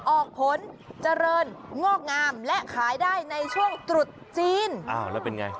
ออกผลเจริญงอกงามและขายได้ในช่วงตรุษจีนอ้าวแล้วเป็นไง